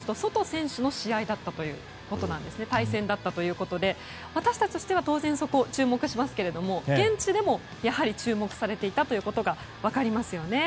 しかもピークが大谷選手とソト選手の対戦だったということで私たちとしては当然、そこに注目しますが現地でもやはり注目されていたことが分かりますね。